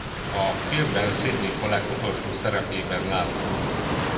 A filmben Sydney Pollack utolsó szerepében látható.